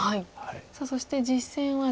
さあそして実戦はですね。